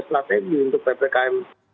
strategi untuk ppkm